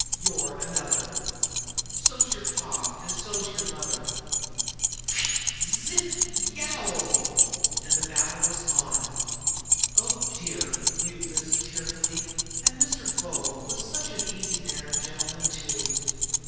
"You're another!" "So's yer pa an' so's yer mother!" "Pfst! Zzz i ttt! Y eo w!" And the battle was on. "Oh, dear!" mewed Lizzie tearfully. "An' Mr. Bo was sech a easy mannered gent'man, too!"